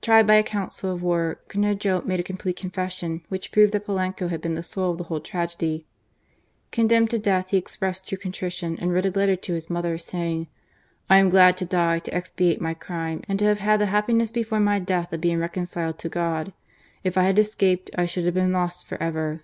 Tried by a council of war, Cornejo made a complete confession, which proved that Polanco had been the soul of the whole tragedy. Condemned to death, he expressed true contrition and wrote a letter to his mother, saying: "I am glad to die to expiate my crime and to have had the happiness before my death of being reconciled to God. If I had escaped I should have been lost for ever."